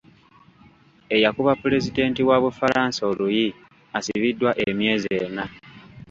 Eyakuba Pulezidenti wa Bufalansa oluyi asibiddwa emyezi ena.